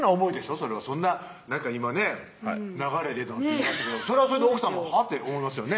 それはそんななんか今ね「流れで」なんて言いましたけどそれはそれで奥さんもはぁ？って思いますよね